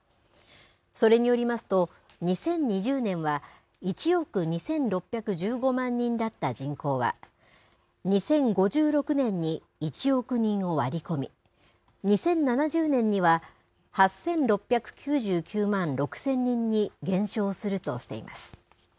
それによりますと、２０２０年は１億２６１５万人だった人口は、２０５６年に１億人を割り込み、２０７０年には８６９９万６０００人に減少するとしています。